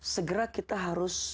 segera kita harus